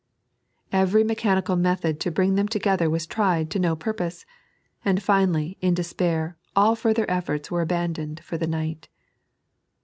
Every mechanical method to bring them together was tried to no purpose j and finally, in despair, all further efforts were abandoned for the night.